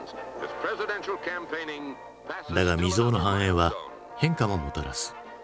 だが未曽有の繁栄は変化ももたらす。